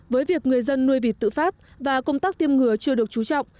với việc người dân nuôi vịt tự phát và công tác tiêm ngừa chưa được trú trọng